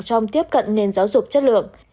trong tiếp cận nền giáo dục chất lượng